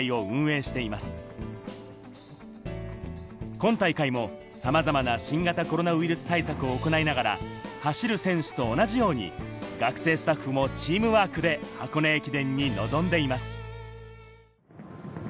今大会もさまざまな新型コロナウイルス対策を行いながら、走る選手と同じように、学生スタッフもチームワークで箱根駅伝に臨んでいます。